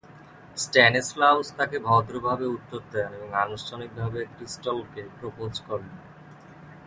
Stanislaus তাকে ভদ্রভাবে উত্তর দেন এবং আনুষ্ঠানিকভাবে ক্রিস্টিলকে প্রপোজ করেন।